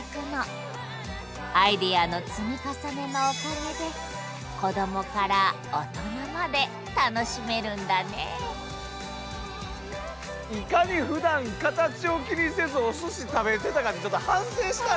アイデアの積み重ねのおかげで子供から大人まで楽しめるんだねいかにふだんカタチを気にせずおすし食べてたかってちょっと反省したよ。